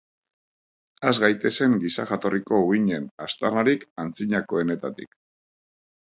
Has gaitezen giza jatorriko uhinen aztarnarik antzinakoenetatik.